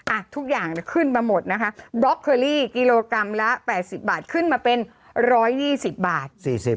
ทุกอย่างขึ้นมาหมดนะคะบล็อกเคอรี่กิโลกรัมละ๘๐บาทขึ้นมาเป็น๑๒๐บาท